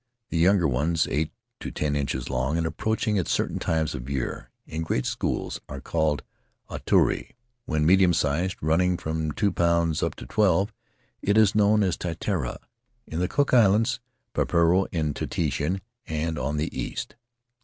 The young ones, eight to ten inches long, and appearing at certain timas of year, in great schools, are called aturi. When medium sized — running from two pounds up to twelve — it is known as titiara in the Cook Islands; paihere in Tahiti and to the east.